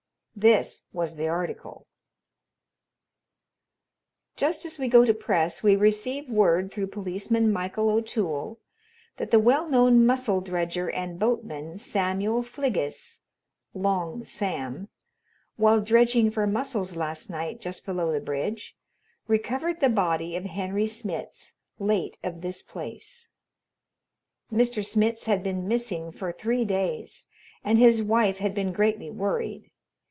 This was the article: Just as we go to press we receive word through Policeman Michael O'Toole that the well known mussel dredger and boatman, Samuel Fliggis (Long Sam), while dredging for mussels last night just below the bridge, recovered the body of Henry Smitz, late of this place. Mr. Smitz had been missing for three days and his wife had been greatly worried.